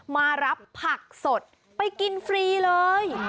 มารับผักสดไปกินฟรีเลย